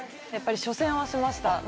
やっぱり初戦はしました。